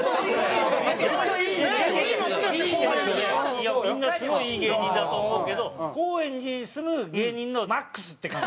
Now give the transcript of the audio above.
いやみんなすごいいい芸人だと思うけど高円寺に住む芸人のマックスって感じ。